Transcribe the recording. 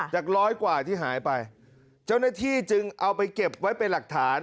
จากร้อยกว่าที่หายไปเจ้าหน้าที่จึงเอาไปเก็บไว้เป็นหลักฐาน